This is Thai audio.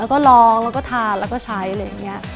แล้วก็ลองแล้วก็ทานแล้วก็ใช้อะไรอย่างนี้